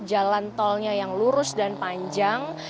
jalan tolnya yang lurus dan panjang